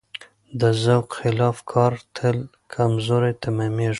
د ذوق خلاف کار تل کمزوری تمامېږي.